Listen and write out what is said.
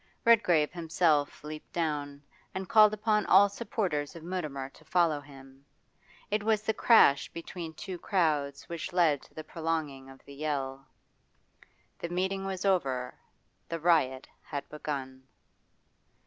Redgrave himself leaped down, and called upon all supporters of Mutimer to follow him. It was the crash between two crowds which led to the prolonging of the yell. The meeting was over, the riot had begun.